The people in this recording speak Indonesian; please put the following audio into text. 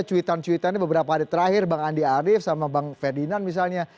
cuitan cuitannya beberapa hari terakhir bang andi arief sama bang ferdinand misalnya